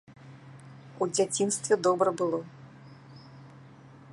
У дзяцінстве добра было.